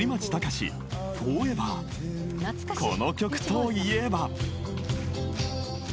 ［この曲といえば］